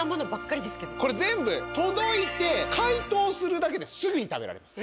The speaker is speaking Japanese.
これ全部届いて解凍するだけですぐに食べられます。